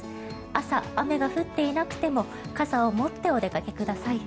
朝、雨が降っていなくても傘を持ってお出かけください。